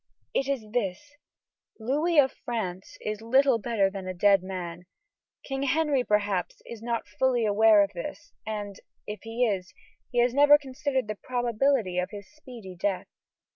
"It is this: Louis of France is little better than a dead man. King Henry, perhaps, is not fully aware of this, and, if he is, he has never considered the probability of his speedy death.